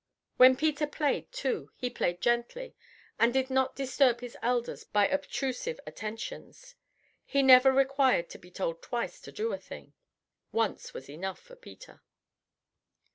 When Peter played, too, he played gently, and did not disturb his elders by obtrusive attentions. He never required to be told twice to do a thing. Once was enough for Peter.